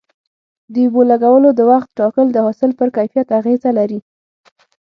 د اوبو لګولو د وخت ټاکل د حاصل پر کیفیت اغیزه لري.